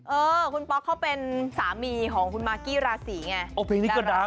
เออคุณป๊อกเขาเป็นสามีของคุณมากกี้ราศีไง